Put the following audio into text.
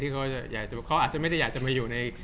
เขาอาจจะไม่ได้อยากจะมาอยู่ใน